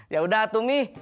yaudah tuh mi